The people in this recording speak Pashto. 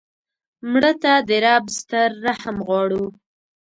مړه ته د رب ستر رحم غواړو